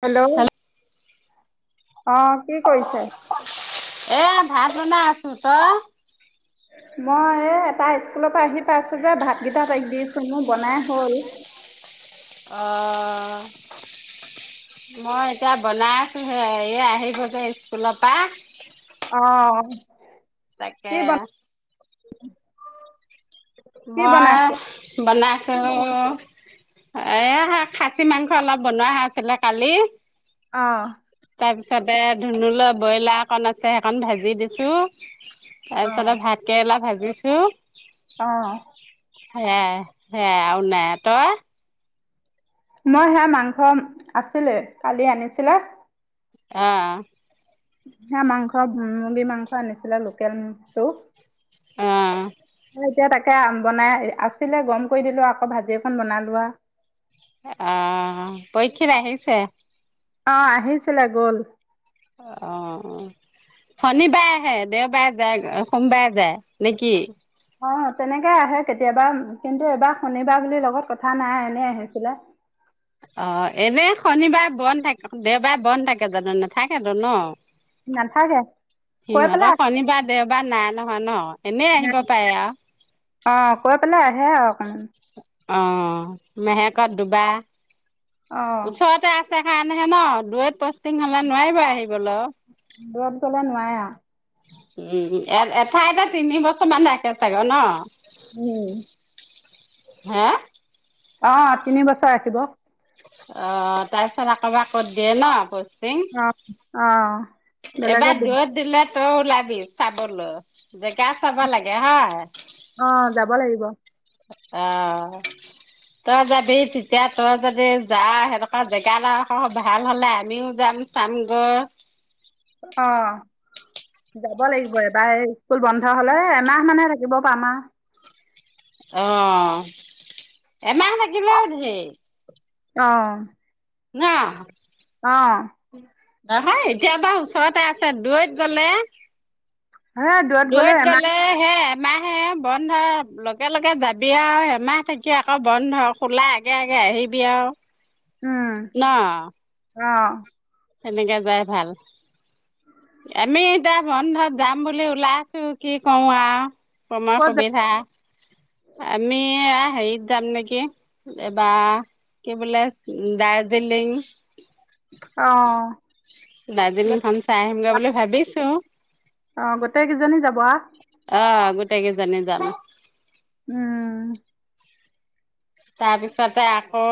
Hello! অ কি কৰিছে? এ ভাত বনাই আছো তই? মই এই এটা স্কুলৰ পৰা আহি পাইছো যে ভাতকেইটাা তাইক দি আছো মোৰ বনাই হ'ল। অ মই এতিয়া বনাই আছো হে ই আহিব যে স্কুলৰ পৰা। অ', তাকে- কি বন কি বনাইছে মই- বনাইছো এ খাচী মাংস অলপ বনোৱা হৈ আছিলে কালি অ', তাৰ পিছতে ধুনুুলে ব্ৰইলাৰ অকন আছে সেইকন ভাজি দিছো। অ তাৰ পিছতে ভাতকেৰেলা ভাজি- ছো। অ সেয়াই সেয়াই আৰু নাই, তই মই সেয়া মাংস আছিলে কালি আনিছিলে- অ', হেয়া মাংস মুৰ্গী মাংস আনিছিলে লোকেল টো অ', তেতিয়া তাকে বনাই আছিলে গৰম কৰি দিলো আকৌ ভাজি এখন বনালোৱা অ', পৰীক্ষিত আহিছে। অ', আহিছিলে গ'ল। অ', অ', শনিবাৰে আহে দেওবাৰে যায়গৈ সোমবাৰে যায় নেকি? অ', তেনেকে আহে কেতিয়াবা কিন্তু এইবাৰ শনিবাৰ বুলি লগত কথা নাই এনে আহিছিলে। অ', এনে শনিবাৰে বন্ধ থাকে দেওবাৰে বন্ধ থাকে জানো নাথাকেতো ন। নাথাকে কৈ পেলাই সিহঁতক শনিবাৰ দেওবাৰ নাই ন। হয় ন। এনেই আহিব পাৰে আৰু অ', কৈ পেলে আহে আৰু উ'ম। অ', মেহেকত দুবাৰ অ' উৎসৱতে খা কানেহে ন দোৰত- পুষ্টিং হ'লে নোৱাৰিব আহিব। গলো। দুৰত গলে নোৱাৰে আৰু উম এ এঠাই এটা তিনি বছৰ মান থাকে চাগ ন- আৰু হে। অ', তিনি বছৰ ৰাখিব। অ', তাৰপিছত আকৌ ক'ত দিয়ে ন- অ', অ', এবাৰ বেলেগত দিম। দূৰত দিলে তই ওলাবি চাবলৈ, জেগা চাব লাগে হয়। অ', যাব লাগিব। অ', তই যাবি তেতিয়া তই যদি যাৱ সেনেকুৱা জেগাড ভাল হলে আমিও যাম চামগৈ অ', যাব লাগিব এবাৰ এই স্কুল বন্ধ হলে এমাহ মানে থাকিব পাম আৰু অ', এমাহ থাকিলেওঁ ধেৰ। অহ নহ অহ নহয় এতিয়া বাৰু ওচৰতে আছে দৈৰত গ'লে হে দূৰত গ'লে দূৰৈত এমাহ হে এমাহে বন্ধ লগে লগে যাবি আৰু এমাহ থাকি আকৌ বন্ধ খোলা আগে আগে আহিবি আৰু নহ অহ সেনেকে যোৱাই ভাল, আমি এতিয়া বন্ধত যাম বুলি ওলাইছো, কি কও আৰ সময় ক'ত যাব সুবিধা আমি এহ হেৰিত যাম নেকি এবাৰ কি বোলে দাৰ্জিলিং অহ দাৰ্জিলিং খন চাই আহিমগৈ বুলি ভাবিছো। অহ গোটেই কেইজনী যাবহ অহ, গোটেই কেইজনী যায়। উম তাৰ পিছতে আকৌ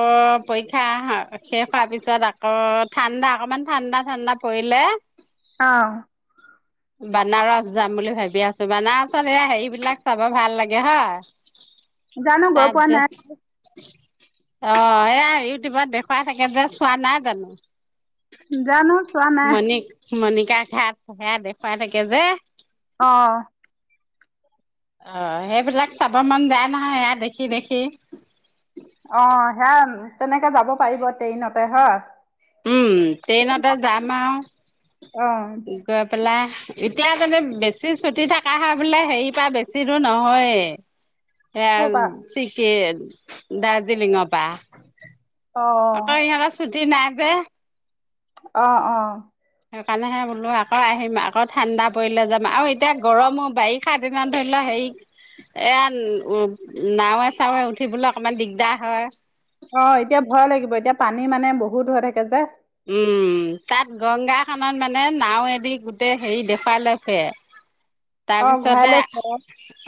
পৰীক্ষা শেষ হোৱাৰ পিছত আকৌ ঠাণ্ডা অকমান ঠাণ্ডা ঠাণ্ডা পৰিলে অহ বানাৰস যাম বুলি ভাবি আছো। বানাৰসত সেয়া হেৰি বিলাক চাব ভাল লাগে হয় জানো গৈ পোৱা নাই। অহ এয়া ইউটিউবত দেখুৱা থাকে যে চোৱা নাই জানো। জানো চোৱা নাই মানে মণিকা ঘাট সেয়া দেখুৱাই থাকে যে অহ অহ সেইবিলাক চাব মন যায় নহয় এয়া দেখি দেখি তেনেকে যাব পাৰিব ট্ৰেইনতে হয়। উম ট্ৰেইনতে যাম আউ। অঁ [unintelligible] গৈ পালা এতিয়া যাতে বেছি ছুটি থাকা হয় বোলে হয় পা বেছি দূৰ নহয়ে। এয়া ক'ৰপা ঠিকে। দাৰ্জিলিং পা অহ' অঁ তই ইহঁতক চুত সি নাই যে অহ অহ। সেইকাৰণেহে বোলো আকৌ আহিম আকৌ ঠাণ্ডা পৰিলে যাম আৰু এতিয়া গৰমো বাৰিষা এনে ধৰি লোৱা হেৰি এয়া নাৱে চাৱে উঠিবলৈ অকণমান দিগদাৰ হয় । অহ এতিয়া ভয় লাগিব এতিয়া পানী মানে বহুত হৈ থাকে যে। উম' তাত গংগা খনত মানে নাও এদি গোটেই হেৰি দেখুৱাল লৈ ফুৰে। অঁ ঘূৰাই তাৰপিছতে লৈ ঘৰত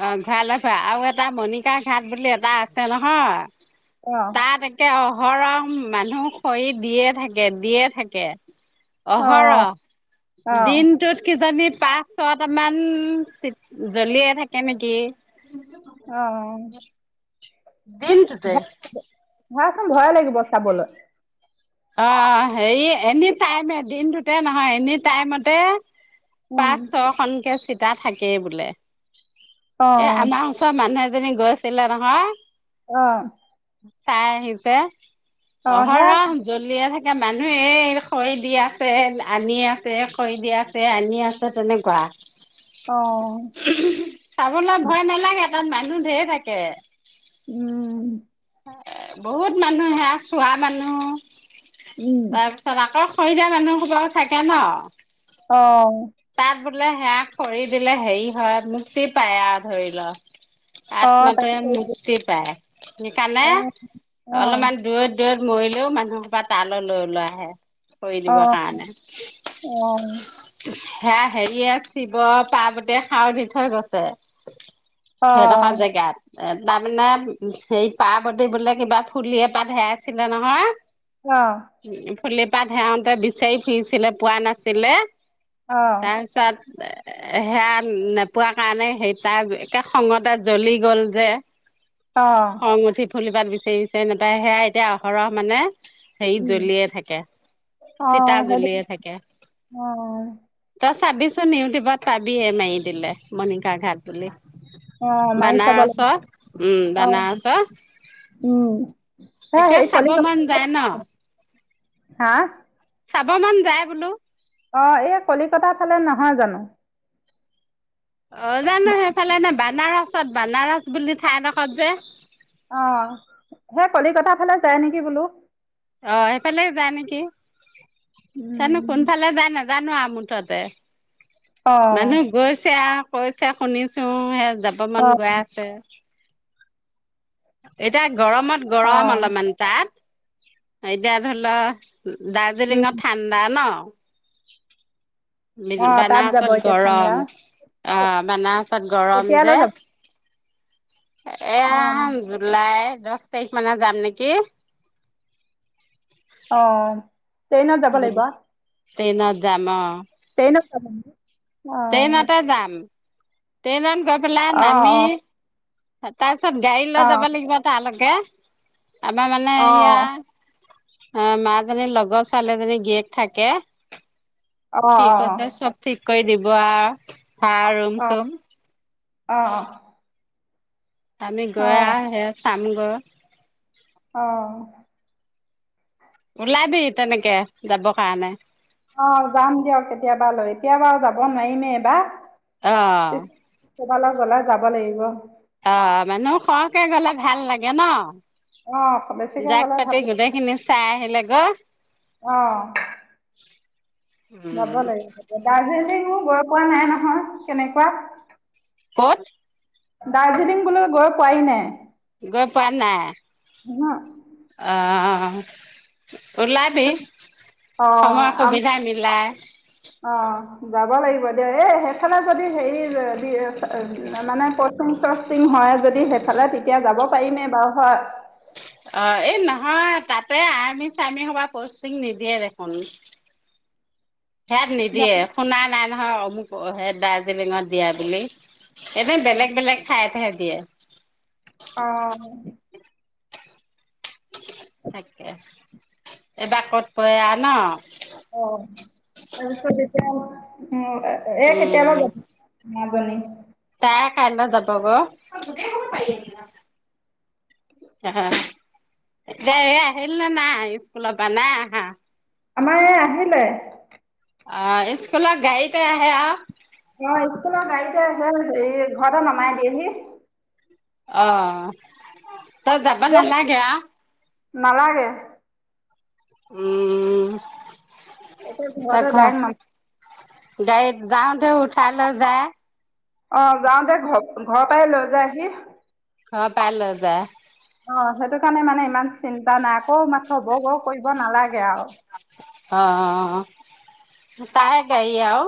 অ', ঘূৰাই লৈ ফুৰে আৰু এটা মণিকা ঘাট বুলি এটা আছে নহয়। অঁ তাত একে অ', হৰহ মানুহ খৰি দিয়ে থাকে। গে দিয়ে থাকে। অঁ অহৰহ অঁ দিনটোত কিজানি পাঁচ ছটামান চিত জ্বলিয়ে থাকে নেকি? অ'-অ', দিনটোতে। ধৰা চোন ভয়ে লাগিব চাবলৈ। অ' হেৰি এনি টাইমে দিনটোতে নহয় এনি টাইমতে। অঁ পাঁচ ছ খনকে চিত তা থাকেই বোলে। এ অঁ আমাৰ ওচৰৰ মানুহে এজনি গৈছিলে নহয়। অ', চাই আহিছে। তই হেত । লিয়ে থাকে মানুহে এই খৰি দি আছে আনি আছে খৰি দি আছে আনি আছে তেনেকুৱা। অঁ চাবলৈ ভয় নালাগে তাত মানুহ ধেই থাকে। কে। বহুত মানুহ হে চুৱা মানুহ। তাৰপিছত আকৌ খৰি দিয়া মানুহ সোপাও থাকে ন। অহ, তাত বোলে সেয়া খৰি দিলে হেৰি হয় মুক্তি পাইয়া ধৰি ল। অঁ আত্মটোৱে তাকে মুক্তি পায়। সিকানে অঁ অঁ অলপমান দূৰত-দূৰত। মৰিলেও মানুহৰ খোবা তালো লৈ-লৈ আহে। খৰি দিবৰ কাৰণে অ-অ, সেয়া হেৰিয় শিৱ পাৰ্বতীয়ে সাও দি থৈ গৈছে। অঁ সেইডোখৰ জেগাত, এ তাৰমানে উ', সেই পাৰ্বতী বোলে কিবা ফুলি এপাতহে হেৰাইছিলে নহয়। অ। ফুলিৰ পাত হেৱাতে বিচাৰি ফুৰিছিলে পোৱা নাছিলে। অঁ তাৰপাছত হেয়া নোপোৱা কাৰণে সেই তাৰ একে খঙতে জ্বলি গ'ল যে। অ। ফুলি পাত বিচাৰি বিচাৰি নাপাই সেয়া এতিয়া আহৰহ মানে, হেৰি উম, জ্বলিয়ে থাকে চিতা অ', সেইটো জ্বলিয়ে থাকে অ', তাৰ চাবিচোন ইউটিউবত পাবিহে মাৰি দিলে মণিকা ঘাট বুলি। অ', মাৰি চাব লাগিব, বানাৰসৰ উম অ', বানাৰস উম। হে তেতিয়া হেৰি চাব কলিকতা মন যায় ন। হা চাব মান যায় বোলো। অ এই কলিকতাৰ ফালে নহয় জানো? অ জানো সেইফালে নে বানাৰস বনাৰস বুলি থাই দখত যে সেফালে যায় নেকি বোলো। অ সেইফালে যাই নেকি? জানো উম। কোনফালে যাই নাজানো। জানোৱা মুঠতে অ', মানুহ গৈছে আ কৈছে শুনিছো সে যাব মান গৈ অ', আছে। এতিয়া গৰমত গৰম অ', অলপমান তাত। এতিয়া ধৰি ল দাৰ্জিলিং উম, ঠাণ্ডা ন। [unintelligible] অ', তাত যাব বানাৰসত এতিয়া ঠাণ্ডা। গৰম ।আহ, বানাৰসত গৰম কেতিয়ালৈ যে। যাব? এয়া অ', জুলাই দহ তাৰিখ মানে যাম নেকি? অ, ট্ৰেইনত যাব লাগিব। ট্ৰেইনত যাম অ। [unintelligible] ট্ৰেইনতে যাম। ট্ৰেইনত। ক পেলা নামি। অ', তাৰ। তাপিছত গাড়ী অ', লৈ যাব অ', লাগিব তালকে। [inaudible] আমাৰ মানে ইয়া অ', অ মাজনীৰ লগৰ ছোৱালী এজনীৰ গীয়েক থাকে। অ', ঠিক আছে, অ', চব ঠিক কৰি দিব আৰু। হা ৰুম অ', চোম। অ', অ। আমি অ গৈ আ হে চাম বা অঅ ওলাবি তেনেকে যাব কাৰণে। কেতিয়া বাৰু যাব নোৱাৰিমে এবাৰ। অঅ। গলে যাব লাগিব। অ মানুহ সৰহকে গ'লে ভাল লাগে ন? অ বেছিকে জাক গ'লে ভাল পাতি গোটেই খিনি চাই আহিলে [unintelligible] অ যাব উম লাগিব দাৰ্জিলিং গৈ পোৱা নাই নহয়, কেনেকুৱা? কত? দাৰ্জিলিং বোলৈ গৈ পোৱি নাই। গৈ পোৱা নাই। হ আহ ওলাবি অ সময় আম সুবিধা মিলাই। অ যাব লাগিব দিয় এ সেইফালে যদি হেৰি মানে কচ চচিং হয় যদি সেইফালে তেতিয়া যাব পাৰিমেই বাৰু হয়। অ এই নহয় তাতে আৰ্মি চাৰ্মি সবা পষ্টিং নিদিয়ে দেখোন। সেয়াত নিদিয়ে শুনা নাই নহয়। অ মোক সেই দাৰ্জিলিঙত দিয়া বুলি এনে বেলেগ বেলেগ ঠাইতহেঁ দিয়ে। অ তাকে এইবাৰ ক'ত কৈ আঁ ন? অ আৰু চবিতিয়া মই উ একতিয়াল উম [unintelligible] মাজনী তাই কাইলৈ যাবগৈ । অ এতিয়া আহিল নে নাই স্কুলৰ পৰা নাই আহা? আমাৰ এই আহিলে। অ স্কুলৰ গাৰিতে আহে আৰু অ স্কুলৰ গাড়ীতে হ হেৰি ঘৰতে নমাই দিয়েহি। অহ ত যাবা ব'ল নালাগে আৰু। নালাগে। উম। এতিয়া ঘৰতে দায়েক্ত না গাইত যাওঁতে উঠাই লৈ যায়। অ যাওঁতে ঘৰ ঘৰপৰাই লৈ যায় আহি। ঘৰৰ পাই লৈ যায়। অ সেইটো কাৰণে মানে ইমান চিন্তা নাই আকৌ মাথব বৌ কৰিব নালাগে আৰু। অ তাই গাই আও।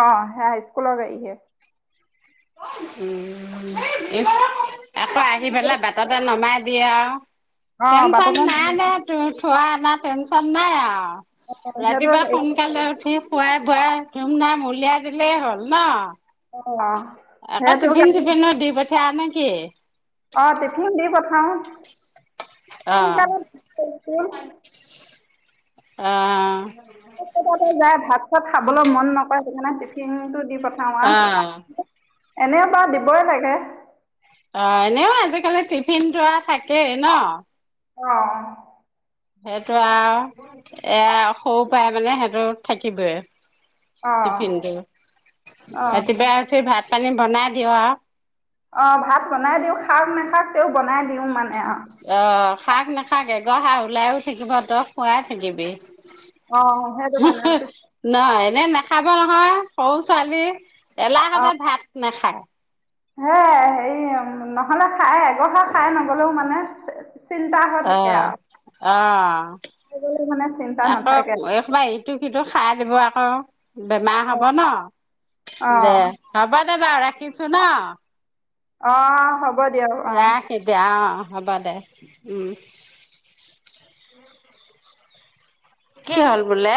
অ হাইস্কুলৰ গাই হে। উ আকৌ আহি পেলাই বাটতে নমাই দিয়ে আৰু। অঁ টেনচন বাটতে নাই নমাই দে তোৰ থোৱাত। টেনচন নাই আৰু। অঁ সেইটো ৰাতিপুৱা সোনকালে উঠি খুৱাই পুৱাই ধুম ধাম উলিয়াই দিলেই হ'ল ন? অহ একে টিফিন চিফিনত দি পঠিয়াই নে কি? অ টিফিন দি পঠাও। অঅ অঅ। [unintelligible] যায় ভাত খাবলৈ মন নকৰে সেইকাৰণে টিফিনটো দি পঠাও অ অ অ আৰ এনেও বা দিবই লাগে অ এনেও আজিকালি টিফিন যৰা থাকেই ন অহ সেইটো আৰু এ সৰু পৰাই মানে সেইটো থাকিবয়ে অঁ টিফিনটো, অঁ ৰাতিপুৱাই উঠি ভাত পানী বনাই দিউ আৰু অ ভাত বনাই দিও খাওক নাখাওক তেওঁক বনাই দিও মা অহ খাওক নাখাওক এগৰহা ওলাইও থাকিব তই খোৱাই থাকিবি অঁ সেইটো হো হো, কাৰণে পিছ নহয় এনে ন খাব নহয় সৰু ছোৱালী এলাহতে ভাত নাখায় হে হেৰি নহলে খাই এগৰহা খাই নগলেও মানে চিন্তা হৈ থাকে অঁ, আৰু অঁ খাই গ'লেও মানে চিন্তা নাথাকে আকৌ এই সোপা ইটো সিটো খাই আহি ব আকৌ বেমাৰ হ'ব ন, দে অঁ হ'ব বাৰু ৰাখিছো ন অহ হ'ব দিয়ক অ ৰাখ এতিয়া অ হ'ব দে উম কি হ'ল বোলে